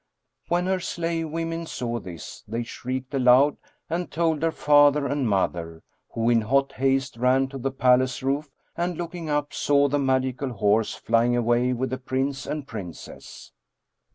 When her slave women saw this, they shrieked aloud and told her father and mother, who in hot haste ran to the palace roof and looking up, saw the magical horse flying away with the Prince and Princess.